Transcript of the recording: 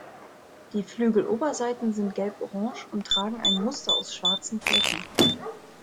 Die Flügeloberseiten sind gelborange und tragen ein Muster aus schwarzen Flecken.